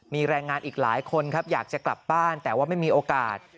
มีแรงงานอีกหลายคนครับอยากจะกลับบ้านแต่ว่าไม่มีโอกาส